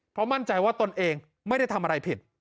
เพราะมั่นใจว่าตนเองไม่ได้ทำอะไรผิด